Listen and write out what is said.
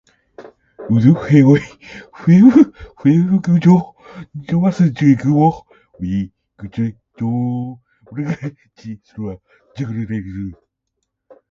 wd っへおい fhwfhfrG 除 j わせ jg おウィ qg じょ wrg じ thl ら jglqg